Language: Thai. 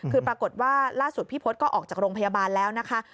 คือปรากฏว่าล่าสุดพี่พศก็ออกจากโรงพยาบาลแล้วนะคะ